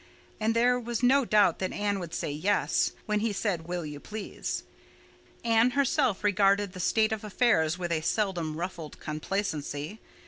And there was no doubt that Anne would say "yes" when he said "Will you please?" Anne herself regarded the state of affairs with a seldom ruffled complacency.